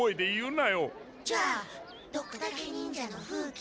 じゃあドクタケ忍者の風鬼。